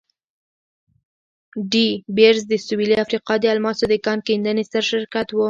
ډي بیرز د سوېلي افریقا د الماسو د کان کیندنې ستر شرکت وو.